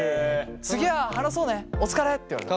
次は話そうねお疲れって言われた。